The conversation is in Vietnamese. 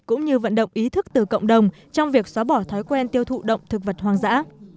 cũng như vận động ý thức từ cộng đồng trong việc xóa bỏ thói quen tiêu thụ động thực vật hoang dã